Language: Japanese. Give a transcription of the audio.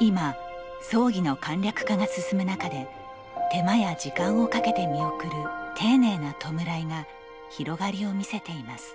今、儀式の簡略化が進む中で手間や時間をかけて見送る丁寧な弔いが広がりを見せています。